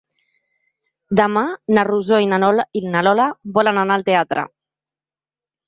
Demà na Rosó i na Lola volen anar al teatre.